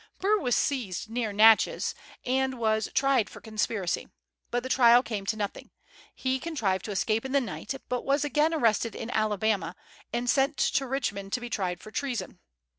Burr was seized near Natchez, and was tried for conspiracy; but the trial came to nothing. He contrived to escape in the night, but was again arrested in Alabama, and sent to Richmond to be tried for treason.